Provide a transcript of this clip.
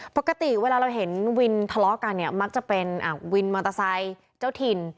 ปกติเวลาเราเห็นวินทะเลาะกันเนี่ยมักจะเป็นวินมอเตอร์ไซค์เจ้าถิ่น